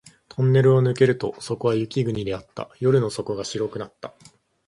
トンネルを抜けるとそこは雪国であった。夜の底が白くなった